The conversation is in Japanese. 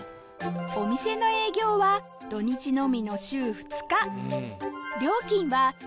お店の営業は土日のみの週２日